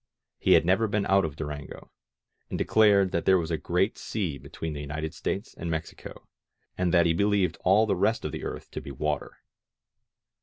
He had never been out of Durango, and declared that there was a great sea between the United States and Mexico, and that he believed all the rest of the earth to be water.